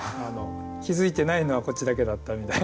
気付いてないのはこっちだけだったみたいな。